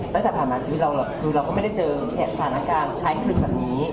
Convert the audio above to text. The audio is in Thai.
ตั้งแต่ผ่านมาชีวิตเราคือเราก็ไม่ได้เจอสถานการณ์คล้ายศึกแบบนี้